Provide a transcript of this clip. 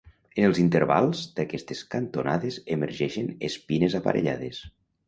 En els intervals d'aquestes cantonades emergeixen espines aparellades.